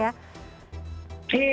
iya banyak sekali